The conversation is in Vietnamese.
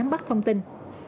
bắt thông tin